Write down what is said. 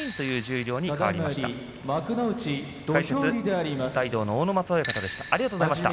解説は阿武松親方でした。